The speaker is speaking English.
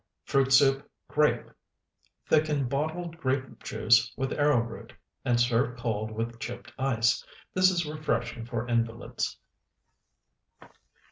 FRUIT SOUP (GRAPE) Thicken bottled grape juice with arrowroot, and serve cold with chipped ice. This is refreshing for invalids.